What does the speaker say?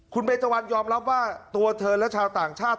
คุณเบจวันยอมรับว่าตัวเธอและชาวต่างชาติ